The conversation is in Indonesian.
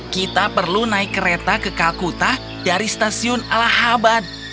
kita perlu naik kereta ke kalkuta dari stasiun alaban